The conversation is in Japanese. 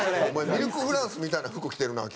ミルクフランスみたいな服着てるな今日。